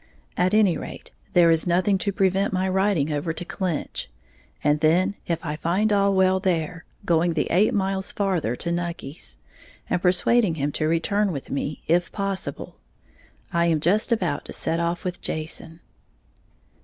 At any rate, there is nothing to prevent my riding over to Clinch, and then, if I find all well there, going the eight miles farther to Nucky's, and persuading him to return with me if possible. I am just about to set off with Jason.